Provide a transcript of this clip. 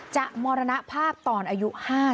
มรณภาพตอนอายุ๕๐